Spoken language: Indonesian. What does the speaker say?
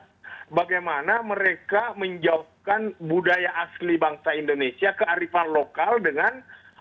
nah bagaimana mereka menjauhkan budaya asli bangsa indonesia kearifan lokal dengan